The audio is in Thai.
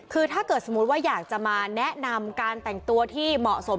คือถ้าเกิดสมมุติว่าอยากจะมาแนะนำการแต่งตัวที่เหมาะสม